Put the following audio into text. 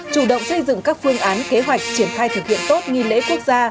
chủ động xây dựng các phương án kế hoạch triển khai thực hiện tốt nghi lễ quốc gia